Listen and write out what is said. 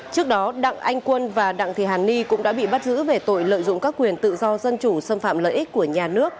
trước đó đặng anh quân và đặng thị hàn ni cũng đã bị bắt giữ về tội lợi dụng các quyền tự do dân chủ xâm phạm lợi ích của nhà nước